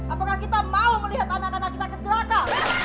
apakah kita mau melihat anak anak kita kecelakaan